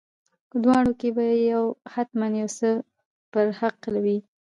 په دواړو کې به یو حتما یو څه پر حق وي.